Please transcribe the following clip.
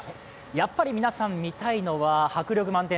やっぱり、皆さん見たいのは迫力満点